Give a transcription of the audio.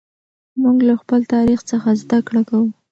موږ له خپل تاریخ څخه زده کړه کوو.